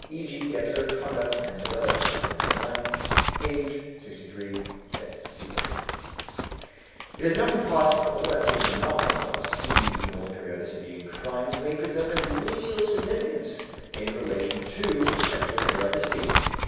(E.G. Dexter, Conduct and the Weather, 1899, pp. 63 et seq.) It is not impossible that the phenomena of seasonal periodicity in crimes may possess a real significance in relation to sexual periodicity.